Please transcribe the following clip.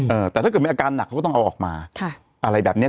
เออแต่ถ้าเกิดมีอาการหนักเขาก็ต้องเอาออกมาค่ะอะไรแบบเนี้ย